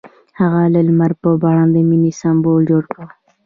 هغه د لمر په بڼه د مینې سمبول جوړ کړ.